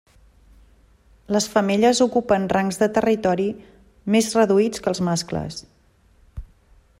Les femelles ocupen rangs de territori més reduïts que els mascles.